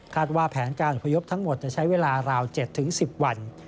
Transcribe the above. ว่าแผนการอพยพทั้งหมดจะใช้เวลาราว๗๑๐วัน